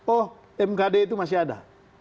oh mkd itu masih ada